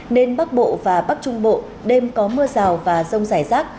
nên bắc bộ và bắc trung bộ đêm có mưa rào và rông rải rác